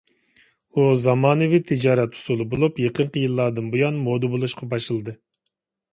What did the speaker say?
ئۇ زامانىۋى تىجارەت ئۇسۇلى بولۇپ، يېقىنقى يىللاردىن بۇيان مودا بولۇشقا باشلىدى.